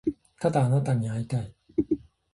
ただあなたに会いたい